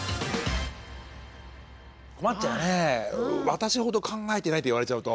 私ほど考えてないって言われちゃうと。